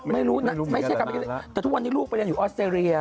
ไม่รู้นะไม่ใช่การไปเรียนแต่ทุกวันนี้ลูกไปเรียนอยู่ออสเตรเลีย